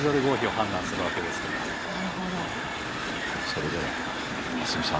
それでは蓮見さん。